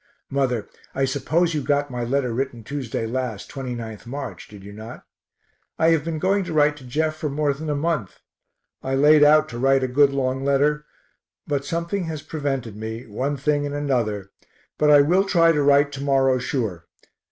Mother, I suppose you got my letter written Tuesday last, 29th March, did you not? I have been going to write to Jeff for more than a month I laid out to write a good long letter, but something has prevented me, one thing and another; but I will try to write to morrow sure.